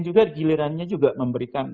juga gilirannya juga memberikan